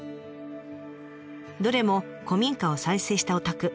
どれも古民家を再生したお宅。